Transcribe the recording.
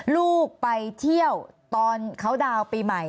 ลูกไปเที่ยวตอนเขาดาวน์ปีใหม่